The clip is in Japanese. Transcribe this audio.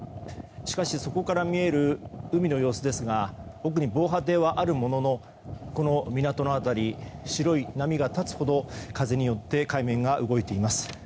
しかし、そこから見える海の様子ですが奥に防波堤はあるものの港の辺り白い波が立つほど風によって海面が動いています。